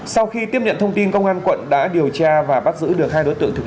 sau khi tiếp nhận thông tin công an quận đã điều tra và bắt giữ được hai đối tượng thực